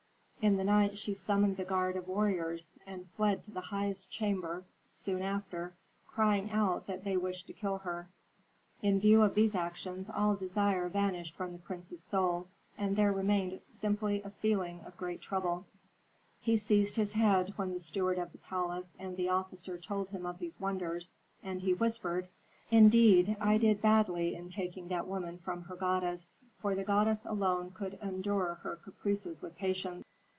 In the night she summoned the guard of warriors, and fled to the highest chamber soon after, crying out that they wished to kill her. In view of these actions all desire vanished from the prince's soul, and there remained simply a feeling of great trouble. He seized his head when the steward of the palace and the officer told him of these wonders, and he whispered: "Indeed, I did badly in taking that woman from her goddess; for the goddess alone could endure her caprices with patience."